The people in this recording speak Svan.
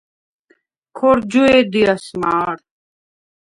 ქორ ჯვე̄დიას მა̄რ.